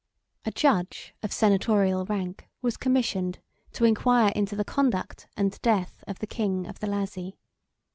A judge of senatorial rank was commissioned to inquire into the conduct and death of the king of the Lazi.